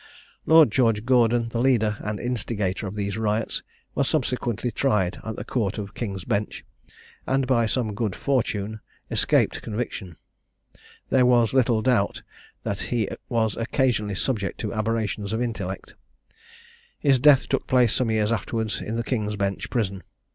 Lord George Gordon, the leader and instigator of these riots, was subsequently tried in the Court of King's Bench, and by some good fortune escaped conviction. There was little doubt that he was occasionally subject to aberrations of intellect. His death took place some years afterwards in the King's Bench Prison.